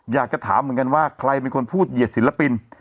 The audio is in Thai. อยากจะถามเหมือนกันว่าใครเป็นคนพูดเหยียดศิลปิน